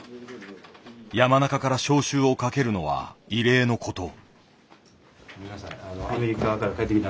山中から招集をかけるのは異例の事。